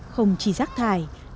không chỉ rác thẳng